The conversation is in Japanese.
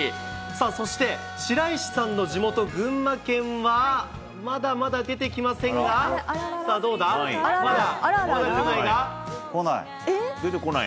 さあそして、白石さんの地元、群馬県は、まだまだ出てきませんが、さあ、どうだ？